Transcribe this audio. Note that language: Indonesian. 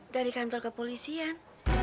dari kantor kepolisian